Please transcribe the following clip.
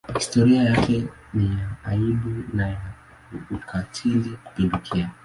Historia yake ni ya aibu na ya ukatili kupindukia.